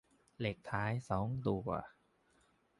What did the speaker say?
เลขท้ายสองตัว